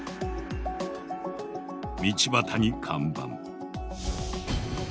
道端に看板。